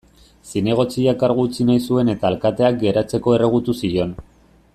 Zinegotziak kargu utzi nahi zuen eta alkateak geratzeko erregutu zion.